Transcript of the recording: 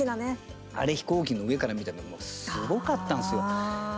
あれ、飛行機の上から見たんだけどもすごかったんですよ。